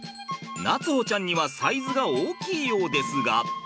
夏歩ちゃんにはサイズが大きいようですが。